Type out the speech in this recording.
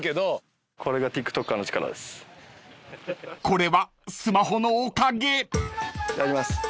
［これはスマホのおかげ］いただきます。